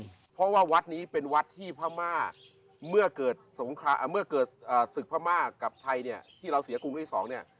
อเจมส์เพราะว่าวัดนี้เป็นวัดที่พระม่าเมื่อเกิดศึกพระม่ากับไทยที่เราเสียกรุงที่๒